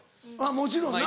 もちろんな。